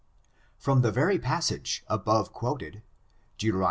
From the very passage above quoted, Deut.